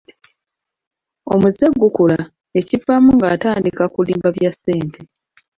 Omuze gukula, ekivaamu ng'atandika kulimba bya ssente.